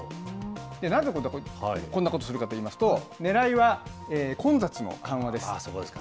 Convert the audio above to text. なぜこんなことするかといいますと、ねらいは混雑の緩和です。